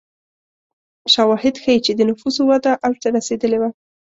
شواهد ښيي چې د نفوسو وده اوج ته رسېدلې وه.